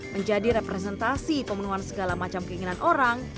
menjadi representasi pemenuhan segala macam keinginan orang